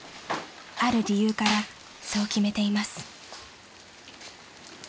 ［ある理由からそう決めています］